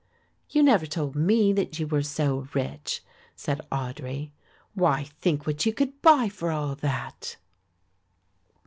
"You never told me that you were so rich," said Audry. "Why, think what you could buy for all that!"